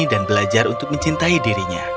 dan belajar untuk mencintai diri sendiri